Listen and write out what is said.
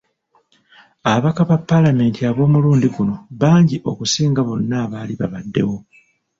Ababaka ba paalamenti ab'omulundi guno bangi okusinga bonna abaali babaddewo.